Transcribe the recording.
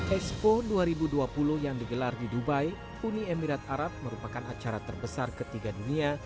expo dua ribu dua puluh yang digelar di dubai uni emirat arab merupakan acara terbesar ketiga dunia